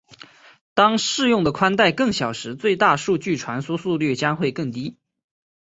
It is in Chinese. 当适用的带宽更小时最大数据传输速率将会更低。